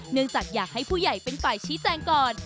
จากอยากให้ผู้ใหญ่เป็นฝ่ายชี้แจงก่อน